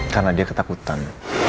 karena dia ketakutan